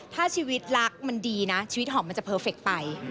ถ้าชีวิตรักมันดีนะชีวิตหอมมันจะเพอร์เฟคไป